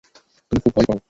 তুমি খুব ভয় পাও।